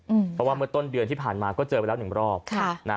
เพราะว่าเมื่อต้นเดือนที่ผ่านมาก็เจอไปแล้วหนึ่งรอบค่ะนะฮะ